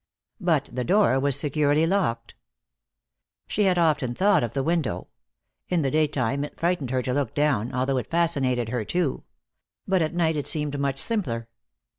But the door was securely locked. She had often thought of the window, In the day time it frightened her to look down, although it fascinated her, too. But at night it seemed much simpler.